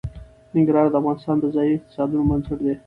ننګرهار د افغانستان د ځایي اقتصادونو بنسټ دی.